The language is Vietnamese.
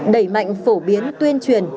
đẩy mạnh phổ biến tuyên truyền